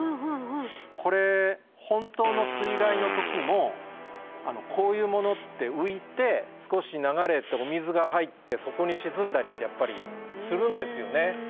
これ本当の水害の時もこういうものって浮いて少し流れてお水が入って底に沈んだりってやっぱりするんですよね。